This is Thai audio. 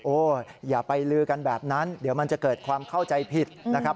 อย่าไปลือกันแบบนั้นเดี๋ยวมันจะเกิดความเข้าใจผิดนะครับ